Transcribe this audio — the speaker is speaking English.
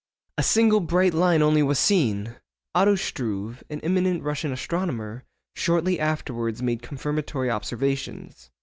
A single bright line only was seen! Otto Struve, an eminent Russian astronomer, shortly afterwards made confirmatory observations.